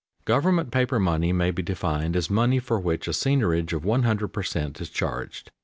_Government paper money may be defined as money for which a seigniorage of one hundred per cent. is charged.